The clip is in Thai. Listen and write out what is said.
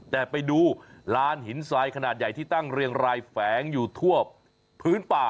แต่ไปดูลานหินทรายขนาดใหญ่ที่ตั้งเรียงรายแฝงอยู่ทั่วพื้นป่า